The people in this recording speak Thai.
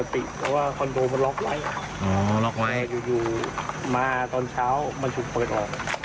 เพราะว่าคอนโดมันล็อกไว้ล็อกไว้อยู่มาตอนเช้ามันถูกเปิดออก